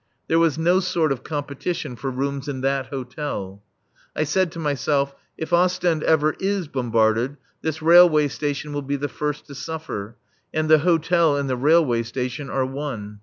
There was no sort of competition for rooms in that hotel. I said to myself, "If Ostend ever is bombarded, this railway station will be the first to suffer. And the hotel and the railway station are one."